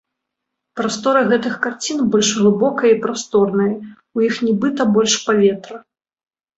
Прастора гэтых карцін больш глыбокая і прасторная, у іх нібыта больш паветра.